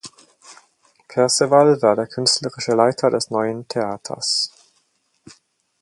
Perceval war der künstlerische Leiter des neuen Theaters.